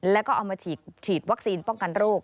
แล้วก็เอามาฉีดวัคซีนป้องกันโรค